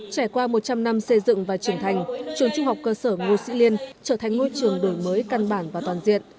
trải qua một trăm linh năm xây dựng và trưởng thành trường trung học cơ sở ngô sĩ liên trở thành ngôi trường đổi mới căn bản và toàn diện